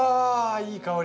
いい香り。